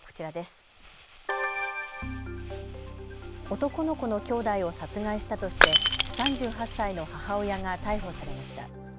男の子の兄弟を殺害したとして３８歳の母親が逮捕されました。